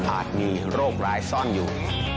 อาจมีโรครายซ่อนอยู่